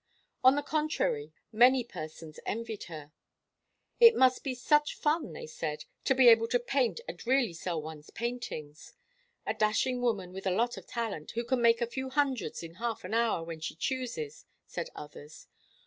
On the contrary, many persons envied her. It must be 'such fun,' they said, to be able to paint and really sell one's paintings. A dashing woman with a lot of talent, who can make a few hundreds in half an hour when she chooses, said others.